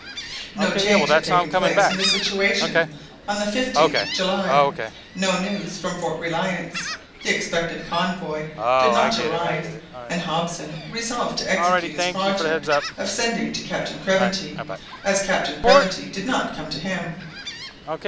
No change had taken place in the situation on the 15th July. No news from Fort Reliance. The expected convoy did not arrive, and Hobson resolved to execute his project of sending to Captain Craventy, as Captain Craventy did not come to him.